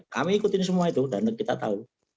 kami ikutin semua itu dan kita tahu